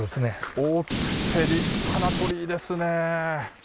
大きくて立派な鳥居ですね。